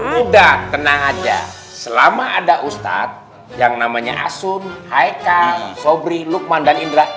muda tenang aja selama ada ustadz yang namanya asun haikang sobri lukman dan indra